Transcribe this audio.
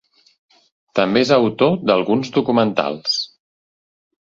També és autor d'alguns documentals.